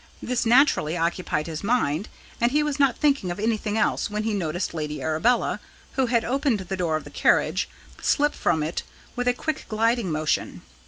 This naturally occupied his mind, and he was not thinking of anything else when he noticed Lady Arabella, who had opened the door of the carriage, slip from it with a quick gliding motion.